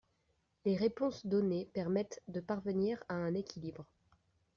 Les réponses données permettent de parvenir à un équilibre.